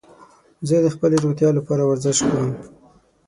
زه د خپلې روغتیا لپاره ورزش کوم.